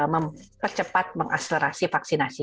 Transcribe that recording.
mempercepat mengaslerasi vaksinasi